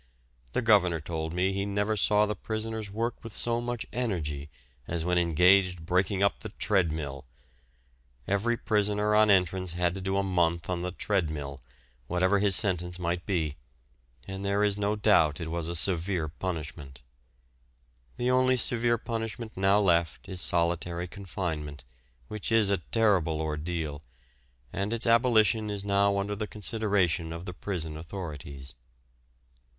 The governor told me he never saw the prisoners work with so much energy as when engaged breaking up the "treadmill"; every prisoner on entrance had to do a month on the "treadmill," whatever his sentence might be, and there is no doubt it was a severe punishment. The only severe punishment now left is solitary confinement, which is a terrible ordeal, and its abolition is now under the consideration of the prison authorities.